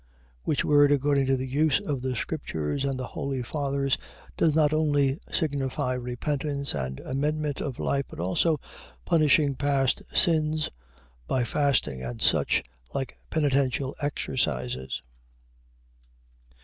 Which word, according to the use of the scriptures and the holy fathers, does not only signify repentance and amendment of life, but also punishing past sins by fasting, and such like penitential exercises.